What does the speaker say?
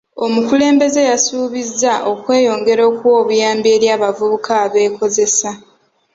Omukulembeze yasuubizza okweyongera okuwa obuyambi eri abavubuka abeekozesa.